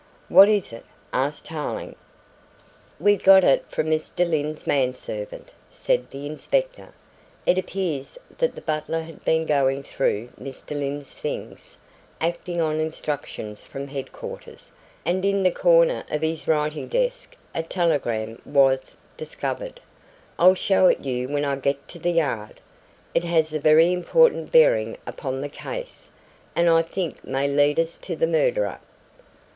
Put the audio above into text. "What is it?" asked Tarling. "We got it from Mr. Lyne's manservant," said the inspector. "It appears that the butler had been going through Mr. Lyne's things, acting on instructions from headquarters, and in a corner of his writing desk a telegram was discovered. I'll show it you when I get to the Yard. It has a very important bearing upon the case, and I think may lead us to the murderer."